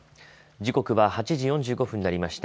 時刻は８時４５分になりました。